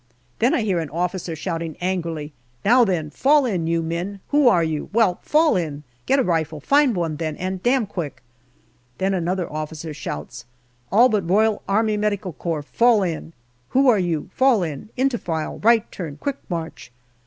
Then I hear an officer shouting angrily, " Now then, fall in, you men ! Who are you ? Well, fall in. Get a rifle. Find one then, and damn quick !" Then another APRIL 39 officer shouts, " All but R.A.M.C. faU in. Who are you ? Fall in. Into file, right turn, quick march."